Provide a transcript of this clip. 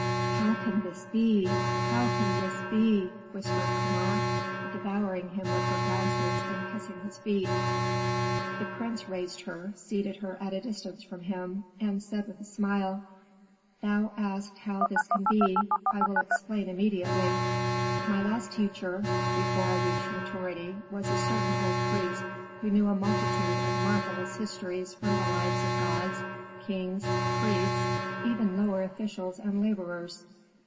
"How can this be? How can this be?" whispered Kama, devouring him with her glances and kissing his feet. The prince raised her, seated her at a distance from him, and said with a smile, "Thou askest how this can be I will explain immediately. My last teacher, before I reached maturity, was a certain old priest, who knew a multitude of marvellous histories from the lives of gods, kings, priests, even lower officials and laborers.